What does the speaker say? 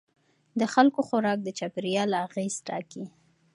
د خلکو خوراک د چاپیریال اغېز ټاکي.